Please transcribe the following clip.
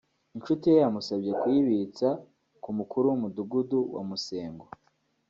inshuti ye yamusabye kuyibitsa ku mukuru w’Umudugudu wa Musengo